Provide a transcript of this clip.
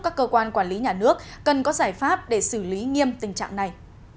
các cơ quan quản lý nhà nước cần có giải pháp để xử lý nghiêm tình trạng này